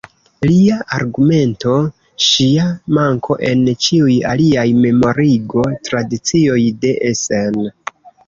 Lia argumento: Ŝia manko en ĉiuj aliaj memorigo-tradicioj de Essen.